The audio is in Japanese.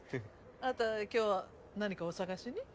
あなた今日は何かお探しに？